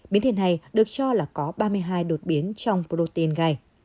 biến thiên này được cho là có ba mươi hai đột biến trong protein gai